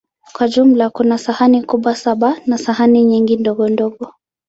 Kwa jumla, kuna sahani kubwa saba na sahani nyingi ndogondogo.